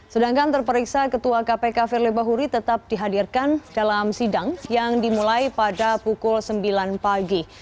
sedangkan terperiksa ketua kpk firly bahuri tetap dihadirkan dalam sidang yang dimulai pada pukul sembilan pagi